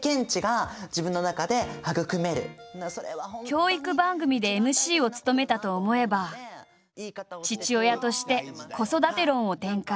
教育番組でＭＣを務めたと思えば父親として子育て論を展開。